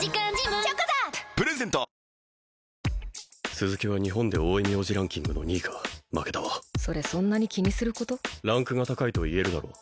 鈴木は日本で多い名字ランキングの２位か負けたわそれそんなに気にすることランクが高いと言えるだろう